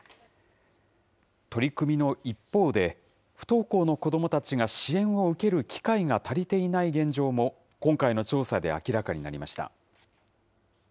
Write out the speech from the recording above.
取り組みの一方で、不登校の子どもたちが支援を受ける機会が足りていない現状も、今回の調査で明らかになりました。